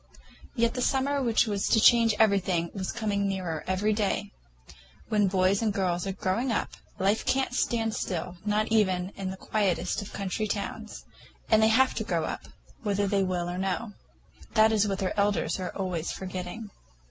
Yet the summer which was to change everything was coming nearer every day. When boys and girls are growing up, life can't stand still, not even in the quietest of country towns; and they have to grow up, whether they will or no. That is what their elders are always forgetting.